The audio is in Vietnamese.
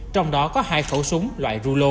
trong đó có hai khẩu súng loại rulo